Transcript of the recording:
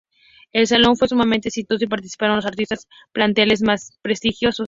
El salón fue sumamente exitoso y participaron los artistas platenses más prestigiosos.